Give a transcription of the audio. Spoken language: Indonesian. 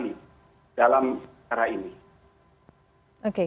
sehingga seorang tersangka itu dua kali